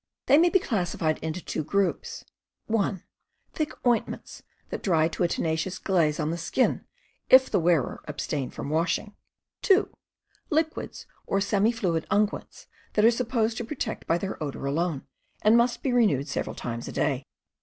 They may be classified in two groups: (1) Thick ointments that dry to a tenacious glaze on the skin, if the wearer abstain from washing; (2) Liquids or semi fluid unguents that are supposed to protect by their odor alone, and must be renewed several times a day.